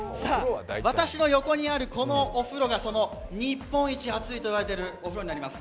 私の横にあるお風呂が日本一熱いといわれているお風呂になります。